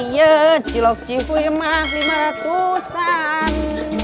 iya cilok cipuyemah lima ratusan